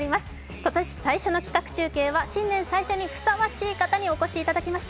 今年最初の企画中継は新年最初にふさわしい人にお越しいただきました。